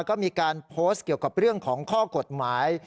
ก็มีการโพสต์เกี่ยวกับเรื่องของข้อกฎหมาย